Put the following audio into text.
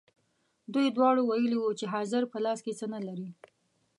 دوی دواړو ویلي وو چې حاضر په لاس کې څه نه لري.